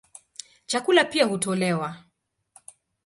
Chakula pia hutolewa.